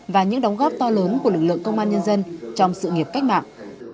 và những đóng góp to lớn của lực lượng công an nhân dân trong sự nghiệp cách mạng